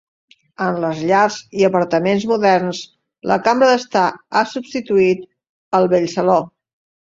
En les llars i apartaments moderns la cambra d'estar ha substituït el vell saló.